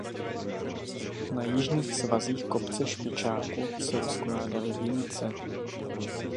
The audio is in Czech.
Na jižních svazích kopce Špičáku se rozkládaly vinice.